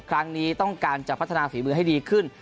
ครั้งนี้ต้องการจะพัฒนาฝีมือให้ดีขึ้น